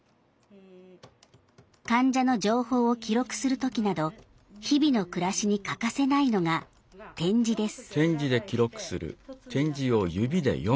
患者の情報を記録する時など日々の暮らしに欠かせないのが点字です。